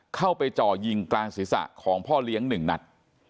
เข้าไปจ่อยิงกลางศีรษะของพ่อเลี้ยงหนึ่งนัด